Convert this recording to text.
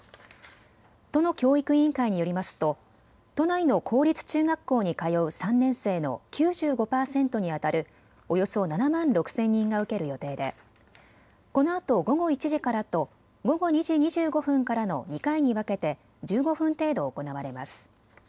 都の教育委員会によりますと都内の公立中学校に通う３年生の９５％にあたるおよそ７万６０００人が受ける予定でこのあと午後１時からと午後２時２５分からの２回に分けて１５分程度行われます。